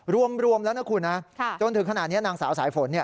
รวมรวมแล้วนะคุณฮะค่ะจนถึงขนาดเนี้ยนางสาวสายฝนเนี้ย